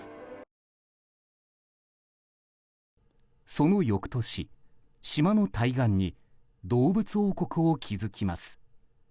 その翌年、島の対岸に動物王国を築きます。